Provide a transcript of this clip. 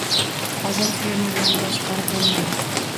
Ozod fermerlarni boshqarib bo‘lmaydi